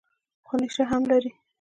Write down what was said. خو نېشه هم لري.